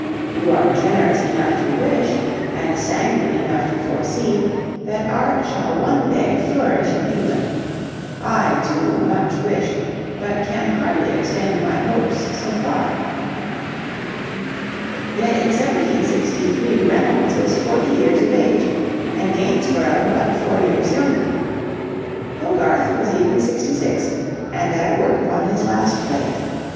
You are generous enough to wish, and sanguine enough to foresee, that art shall one day flourish in England. I, too, much wish, but can hardly extend my hopes so far. Yet in 1763 Reynolds was forty years of age and Gainsborough but four years younger. Hogarth was even sixty six, and at work upon his last plate.